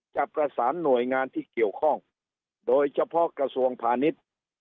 จะประสานหน่วยงานที่เกี่ยวข้องโดยเฉพาะกระทรวงพาณิชย์